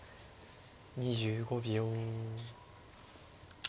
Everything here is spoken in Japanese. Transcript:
２５秒。